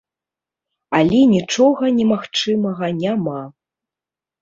Але нічога немагчымага няма.